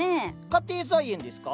家庭菜園ですか？